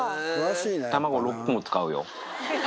卵６個も使うよ。